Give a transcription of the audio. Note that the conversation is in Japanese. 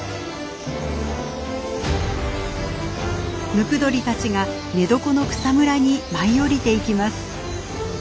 ムクドリたちが寝床の草むらに舞い降りていきます。